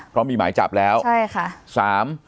เพราะมีหมายจับแล้วใช่ค่ะ